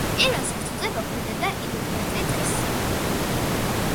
პირველ სართულზე მოქმედებდა კინოთეატრი „დღის სიახლეები“.